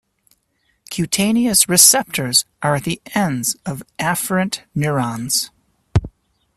Cutaneous receptors are at the ends of afferent neurons.